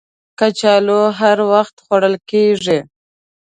کچالو هر وخت خوړل کېږي